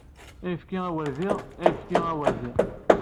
Ayefki aweṛdi! Ayefki aweṛdi!